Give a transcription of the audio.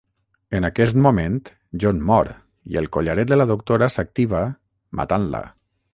En aquest moment John mor i el collaret de la doctora s'activa, matant-la.